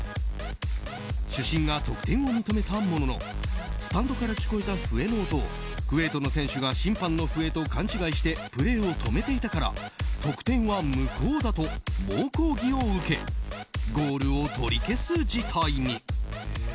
主審が得点を認めたもののスタンドから聞こえた笛の音をクウェートの選手が審判の笛と勘違いしてプレーを止めていたから得点は無効だと猛抗議を受けゴールを取り消す事態に。